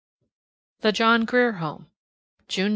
THE JOHN GRIER HOME, June 9.